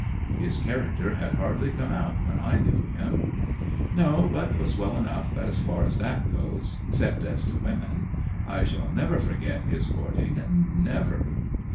'His character had hardly come out when I knew him.' 'No. But 'twas well enough, as far as that goes—except as to women. I shall never forget his courting—never!